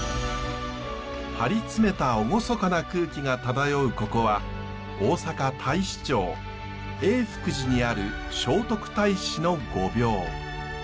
張り詰めた厳かな空気が漂うここは大阪・太子町叡福寺にある聖徳太子の御廟。